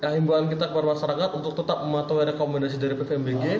himbawan kita kepada masyarakat untuk tetap mematuhi rekomendasi dari pvmbg